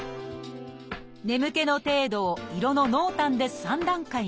眠気の程度を色の濃淡で３段階に。